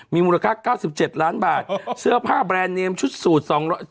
มีมูลค่าเก้าสิบเจ็ดล้านบาทเสื้อผ้าแบรนด์เนียมชุดสูตรสองร้อย